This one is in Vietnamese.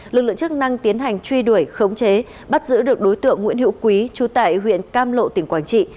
lực lượng chức năng tiến hành truy đuổi khống chế bắt giữ được đối tượng nguyễn hữu quý chú tại huyện cam lộ tỉnh quảng trị